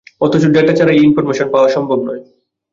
অথছ data ছাড়া এই information পাওয়া সম্ভব নয়।